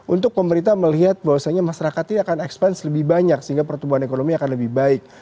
untuk pemerintah melihat bahwasannya masyarakat ini akan expense lebih banyak sehingga pertumbuhan ekonomi akan lebih baik